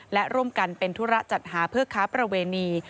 และร่วมกันเป็นธุระจัดหาเพื่อค้าประเวณี